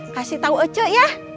kasih tau ece ya